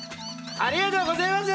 ありがとうごぜます！